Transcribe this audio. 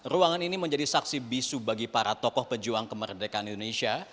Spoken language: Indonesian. ruangan ini menjadi saksi bisu bagi para tokoh pejuang kemerdekaan indonesia